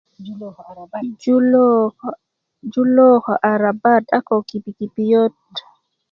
julo julö ko arabat a ko kipikipiyat